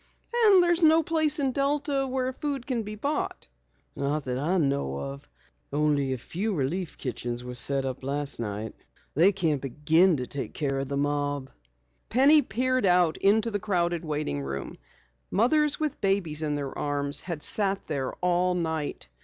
"And there's no place in Delta where food can be bought." "Not that I know of. Only a few relief kitchens were set up last night. They can't begin to take care of the mob." Penny peered out into the crowded waiting room. Mothers with babies in their arms had sat there all night.